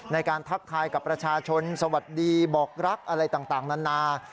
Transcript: ทักทายกับประชาชนสวัสดีบอกรักอะไรต่างนานา